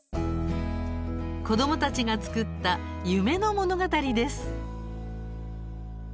子どもたちが作った夢の物語です。